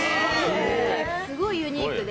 すごいユニークで。